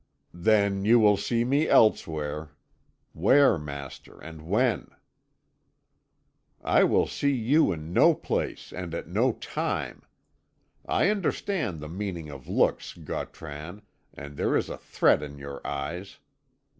"Then, you will see me elsewhere. Where, master, and when?" "I will see you in no place and at no time. I understand the meaning of looks, Gautran, and there is a threat in your eyes.